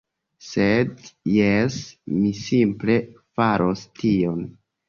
Sed... jes, mi simple faros tion.